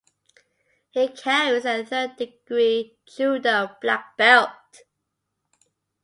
He carries a third-degree judo black belt.